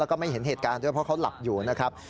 แล้วก็ไม่เห็นเหตุการณ์ด้วยเพราะเขาหลับอยู่นะครับ